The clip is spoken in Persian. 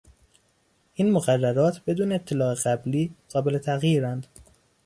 این مقررات بدون اطلاع قبلی قابل تغییرند.